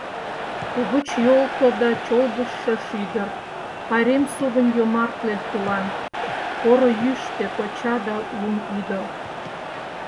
Угыч Ёлко да чолгыжшо шӱдыр, Пайрем сугынь йомартле тулан, Поро Йӱштӧ коча да Лумӱдыр.